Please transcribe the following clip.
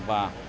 và chính vì vậy